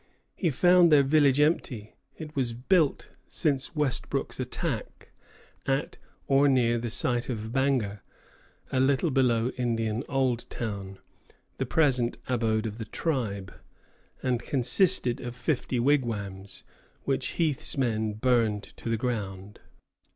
He found their village empty. It was built, since Westbrook's attack, at or near the site of Bangor, a little below Indian Old Town, the present abode of the tribe, and consisted of fifty wigwams, which Heath's men burned to the ground.